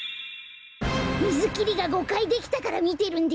みずきりが５かいできたからみてるんでしょう？